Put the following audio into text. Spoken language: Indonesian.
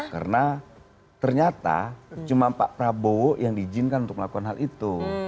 karena ternyata cuma pak prabowo yang diizinkan untuk melakukan hal itu